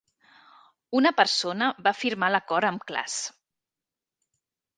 Una persona va firmar l'acord amb Klass.